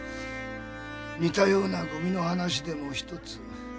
似たようなゴミの話でもひとつ。